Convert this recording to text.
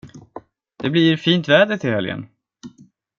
Det blir fint väder till helgen.